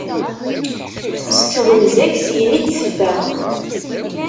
S twenza-k syen i d-teffɣeḍ